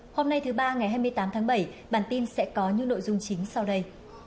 hôm nay thứ ba ngày hai mươi tám tháng bảy bản tin sẽ có những nội dung chính sau đây